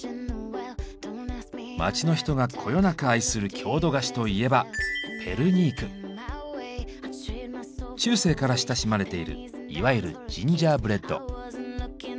街の人がこよなく愛する郷土菓子といえば中世から親しまれているいわゆるジンジャーブレッド。